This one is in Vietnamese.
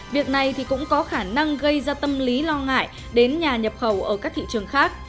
việc này thì cũng có khả năng gây ra tâm lý lo ngại đến nhà nhập khẩu ở các thị trường khác